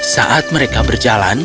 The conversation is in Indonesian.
saat mereka berjalan